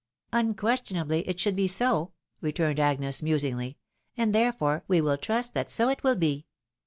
" Unquestionably it should be so," returned Agnes, musingly, " and, therefore, we will trust that so it will be.